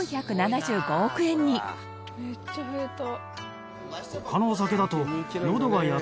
めっちゃ増えた。